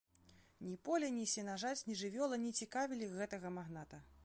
Ні поле, ні сенажаць, ні жывёла не цікавілі гэтага магната.